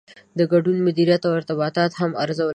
د ګډون مدیریت او ارتباطات هم ارزول کیږي.